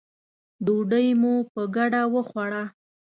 ډوډۍ مو په ګډه وخوړه.